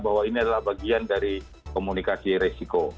bahwa ini adalah bagian dari komunikasi resiko